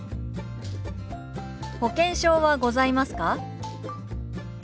「保険証はございますか？」。